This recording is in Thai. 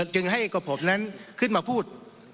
จึงให้กับผมนั้นขึ้นมาพูด